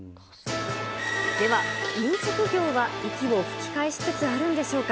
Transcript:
では、飲食業は息を吹き返しつつあるんでしょうか。